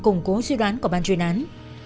cùng cố suy đoán của bàn truyền án